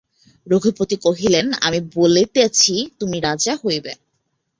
রঘুপতি কহিলেন, আমি বলিতেছি তুমি রাজা হইবে।